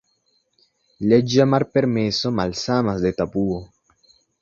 Leĝa malpermeso malsamas de tabuo.